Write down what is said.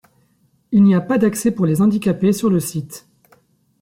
Il n'y a pas d'accès pour les handicapés sur le site.